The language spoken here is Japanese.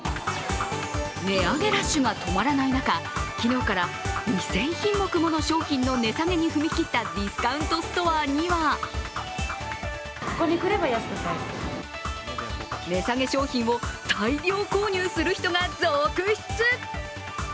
値上げラッシュが止まらない中昨日から２０００品目もの商品の値下げに踏み切ったディスカウントストアには値下げ商品を大量購入する人が続出。